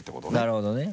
なるほどね。